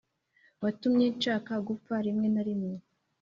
watumye nshaka gupfa rimwe na rimwe.